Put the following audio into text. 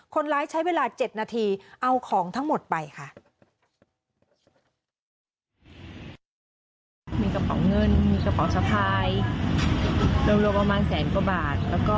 คนร้ายใช้เวลา๗นาทีเอาของทั้งหมดไปค่ะ